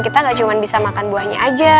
kita gak cuma bisa makan buahnya aja